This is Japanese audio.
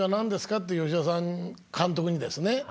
って吉田監督にですね